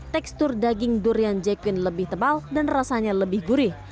tekstur daging durian jekuin lebih tebal dan rasanya lebih gurih